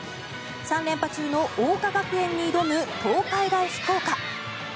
３連覇中の桜花学園に挑む東海大福岡。